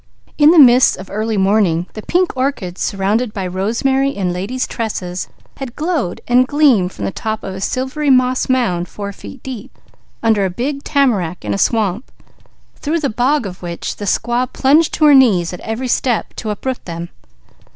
In the mists of early morning the pink orchids surrounded by rosemary and ladies' tresses had glowed and gleamed from the top of a silvery moss mound four feet deep, under a big tamarack in a swamp, through the bog of which the squaw plunged to her knees at each step to uproot them.